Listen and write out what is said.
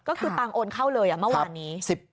ก็คือตังค์โอนเข้าเลยเมื่อวานนี้